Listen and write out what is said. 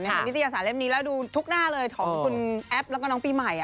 นิตยศาสเล่มนี้แล้วดูทุกหน้าเลยของคุณแอปแล้วก็น้องปีใหม่